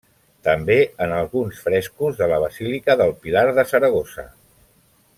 També en alguns frescos de la Basílica del Pilar de Saragossa.